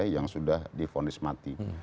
yang sudah difonis mati